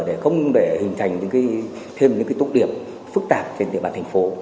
để không để hình thành những cái thêm những cái tốt điểm phức tạp trên địa bàn thành phố